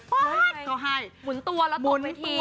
ป๊อดเขาให้หมุนตัวแล้วตกเวที